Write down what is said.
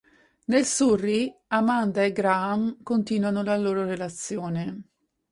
Nel Surrey Amanda e Graham continuano la loro relazione.